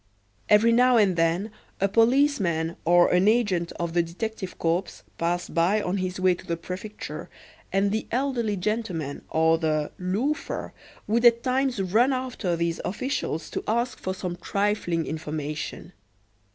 Every now and then a policeman or an agent of the detective corps passed by on his way to the Prefecture, and the elderly gentleman or the "loafer" would at times run after these officials to ask for some trifling information.